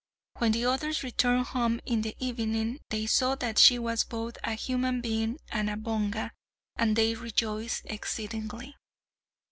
When the others returned home in the evening, they saw that she was both a human being and a Bonga, and they rejoiced exceedingly.